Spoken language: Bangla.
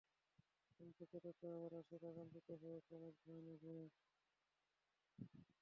কিন্তু প্রেতাত্মারা আবার আসে রাগান্বিত হয়ে ক্রমশ ভয়ানক হয়ে।